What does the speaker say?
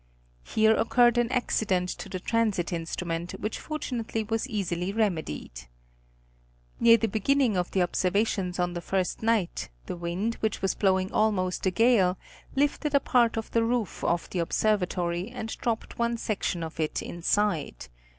Here occurred an accident to the transit instrument, which fortu nately was easily remedied. Near the beginning of the observa tions on the first night the wind, which was blowing almost a gale, lifted a part of the roof off the observatory, and dropped one section of it inside.